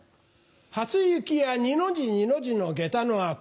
初雪や二の字二の字の下駄の跡。